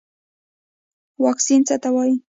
واکسین څه ته وایي